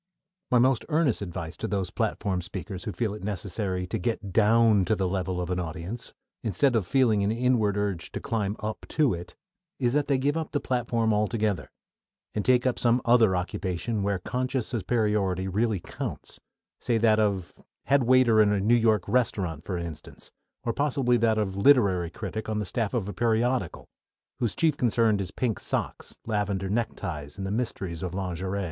My most earnest advice to those platform speakers who feel it necessary to "get down to the level" of an audience, instead of feeling an inward urge to climb up to it, is that they give up the platform altogether, and take up some other occupation where conscious superiority really counts; say that of head waiter in a New York restaurant, for instance, or possibly that of literary critic on the staff of a periodical, whose chief concern is pink socks, lavender neckties, and the mysteries of lingerie.